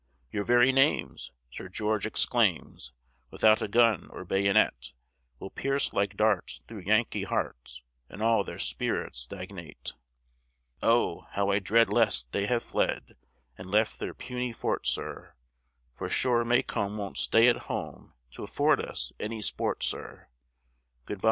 "Your very names," Sir George exclaims, "Without a gun or bayonet, Will pierce like darts through Yankee hearts, And all their spirits stagnate. "Oh! how I dread lest they have fled And left their puny fort, sir, For sure Macomb won't stay at home, T' afford us any sport, sir. Good by!"